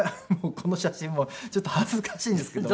この写真もちょっと恥ずかしいんですけども。